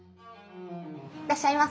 いらっしゃいませ。